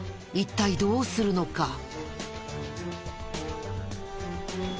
一体どうするのか？